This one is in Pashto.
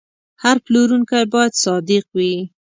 هر پلورونکی باید صادق وي.